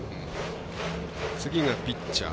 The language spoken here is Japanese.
次がピッチャー。